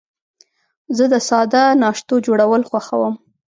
زه د ساده ناشتو جوړول خوښوم.